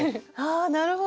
なるほど。